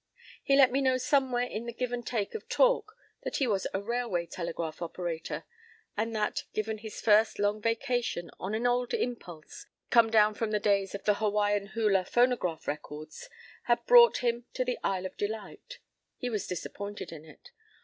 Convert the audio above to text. p> He let me know somewhere in the give and take of talk that he was a railway telegraph operator, and that, given his first long vacation, an old impulse, come downfrom the days of the Hawaiian hula phonograph records, had brought him to the isle of delight. He was disappointed in it.